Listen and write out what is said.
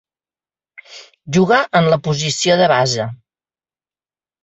Juga en la posició de base.